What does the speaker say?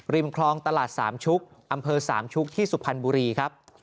คลองตลาดสามชุกอำเภอสามชุกที่สุพรรณบุรีครับ